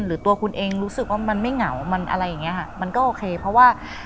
หรือตัวคุณเองรู้สึกว่ามันไม่เหงามันอะไรอย่างเงี้ค่ะมันก็โอเคเพราะว่า